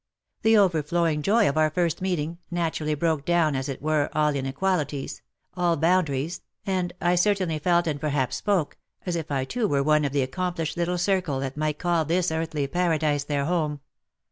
The overflowing joy of our first meeting, naturally broke down, as it were, all inequalities, all boundaries, and I certainly felt, and perhaps spoke, as if I too were one of the accomplished little circle that might call this earthly paradise their home.